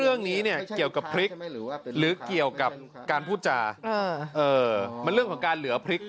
อืนเหลือแค่น้ำซุป